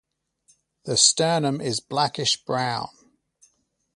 The sternum is blackish brown.